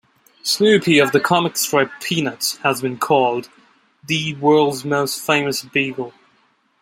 Snoopy of the comic strip "Peanuts" has been called "the world's most famous beagle".